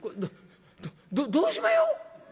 どどうしまひょ？」。